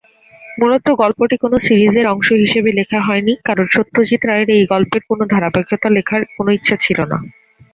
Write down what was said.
মূলত গল্পটি কোন সিরিজের অংশ হিসাবে লেখা হয়নি, কারণ সত্যজিৎ রায়ের এই গল্পের কোনো ধারাবাহিকতা লেখার কোনও ইচ্ছা ছিল না।